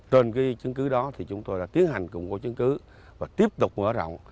trên cái chứng cứ đó thì chúng tôi đã tiến hành củng cố chứng cứ và tiếp tục mở rộng